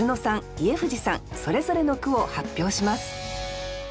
家藤さんそれぞれの句を発表します。